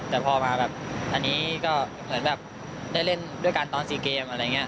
แต่พอมาแบบอันนี้ก็เหมือนแบบได้เล่นด้วยกันตอน๔เกมอะไรอย่างนี้